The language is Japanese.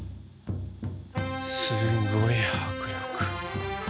すごい迫力。